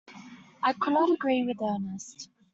I could not agree with Ernest.